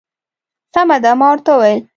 سمه ده. ما ورته وویل.